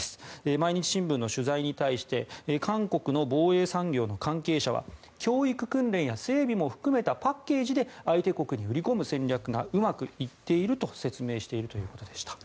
毎日新聞の取材に対して韓国の防衛産業の関係者は教育訓練や整備も含めたパッケージで相手国に売り込む戦略がうまくいっていると説明しているということでした。